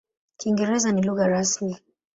Kiingereza ni lugha rasmi.